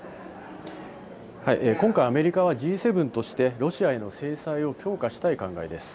今回、アメリカはＧ７として、ロシアへの制裁を強化したい考えです。